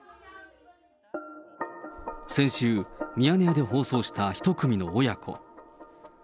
先週、ミヤネ屋で放送した一組の親子。